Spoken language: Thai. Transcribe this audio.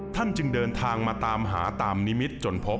ท่านจึงเดินทางมาตามหาตามนิมิต